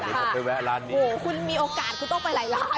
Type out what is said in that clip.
ใช่คุณต้องไปนู่นหูคุณมีโอกาสคุณต้องไปหลายร้านนะ